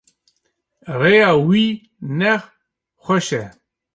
Rêya wî ne xweş e.